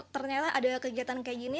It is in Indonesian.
ternyata ada kegiatan kayak gini